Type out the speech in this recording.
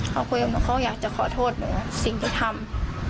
เขาคุยกับหนูเขาอยากจะขอโทษหนูสิ่งที่ทำ